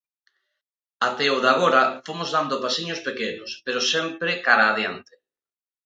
Até o de agora fomos dando pasiños pequenos, pero sempre cara a adiante.